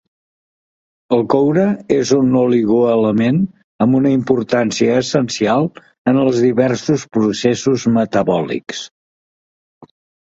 El coure és un oligoelement amb una importància essencial en els diversos processos metabòlics.